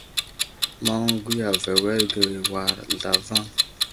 Maŋ gwiyave awerge war zlavaŋ.